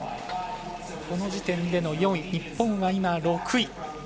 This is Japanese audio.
この時点での４位、日本が今６位。